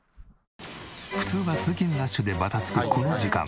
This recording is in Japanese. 普通は通勤ラッシュでバタつくこの時間。